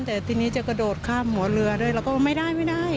แต่ทีนี้จะกระโดดข้ามหัวเรือด้วยเราก็ไม่ได้ไม่ได้